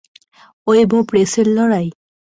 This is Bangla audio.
ওয়েব ও প্রেসের লড়াই?